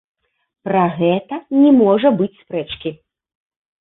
Пра гэта не можа быць спрэчкі.